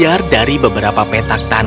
apa yang harus aku lakukan